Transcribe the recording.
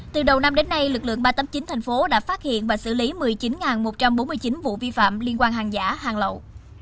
từ đầu năm đến nay lực lượng ba trăm tám mươi chín thành phố đã phát hiện và xử lý một mươi chín một trăm bốn mươi chín vụ vi phạm liên quan hàng giả hàng lậu